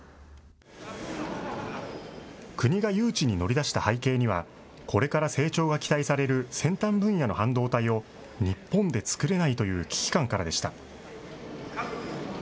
国が誘致に乗り出した背景には、これから成長が期待される先端分野の半導体を、日本で作れないという危機感からでした。